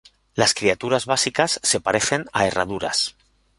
Las criaturas básicas se parecen a herraduras.